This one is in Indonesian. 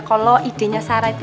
kalau idenya sarah itu